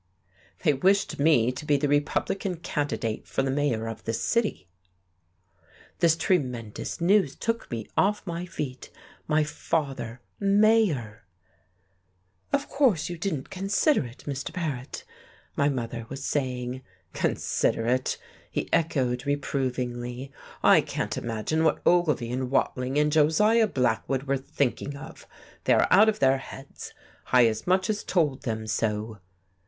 "They wished me to be the Republican candidate for the mayor of this city." This tremendous news took me off my feet. My father mayor! "Of course you didn't consider it, Mr. Paret," my mother was saying. "Consider it!" he echoed reprovingly. "I can't imagine what Ogilvy and Watling and Josiah Blackwood were thinking of! They are out of their heads. I as much as told them so."